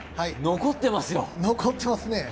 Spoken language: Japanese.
残っていますね。